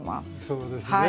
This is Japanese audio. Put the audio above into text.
そうですね。